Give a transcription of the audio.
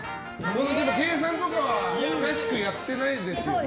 計算とかは久しくやってないですよね？